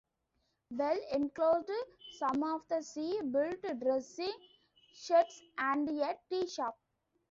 Bell enclosed some of the sea, built dressing sheds and a tea shop.